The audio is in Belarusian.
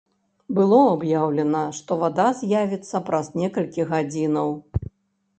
Было аб'яўлена, што вада з'явіцца праз некалькі гадзінаў.